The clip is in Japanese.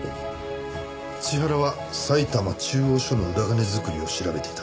千原は埼玉中央署の裏金作りを調べていた。